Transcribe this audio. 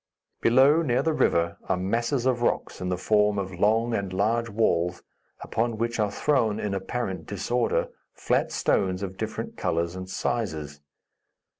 Below, near the river, are masses of rocks, in the form of long and large walls, upon which are thrown, in apparent disorder, flat stones of different colors and sizes.